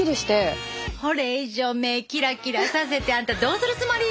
これ以上目キラキラさせてあんたどうするつもり！